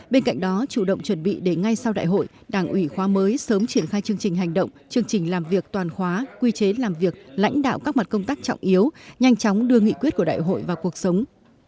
bên cạnh đó chủ động chuẩn bị để ngay sau đại hội đảng ủy khóa mới sớm triển khai chương trình hành động chương trình làm việc toàn khóa quy chế làm việc lãnh đạo các mặt công tác trọng yếu nhanh chóng đưa nghị quyết của đại hội vào cuộc sống